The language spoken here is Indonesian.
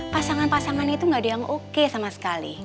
pasangan pasangan itu gak ada yang oke sama sekali